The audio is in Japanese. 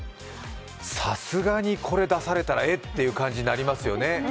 さすがにこれ出されたらえっという感じになりますよね。